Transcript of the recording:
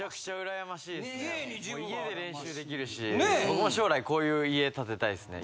僕も将来こういう家建てたいですね。